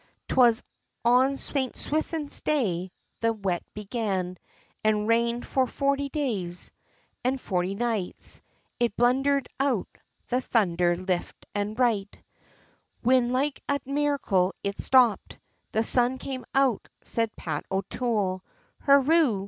'Twas on St. Swithin's day, the wet began, an' rained for forty days, An' forty nights, it blundhered out the thunder, lift an' right, Whin like a merricle it stopped, the sun came out, said Pat O'Toole, "Hooroo!